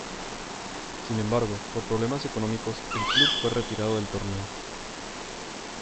Sin embargo por problemas económicos el club fue retirado del torneo.